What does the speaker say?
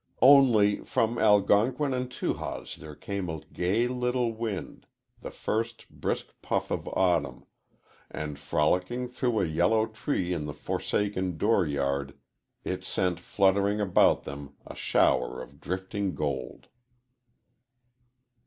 Only, from Algonquin and Tahawus there came a gay little wind the first brisk puff of autumn and frolicking through a yellow tree in the forsaken door yard it sent fluttering about them a shower of drifting gold.